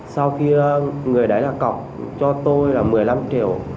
sau khi người đấy là cọc cho tôi là một mươi năm triệu